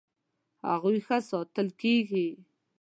هغوی ښه ساتل کیږي.